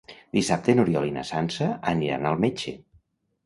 Dissabte n'Oriol i na Sança aniran al metge.